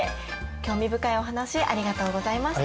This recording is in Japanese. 興味深いお話ありがとうございました。